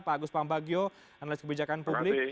pak agus pambagio analis kebijakan publik